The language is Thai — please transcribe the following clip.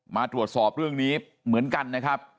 มาตรวจสอบเรื่องนี้เหมือนกันนะครับ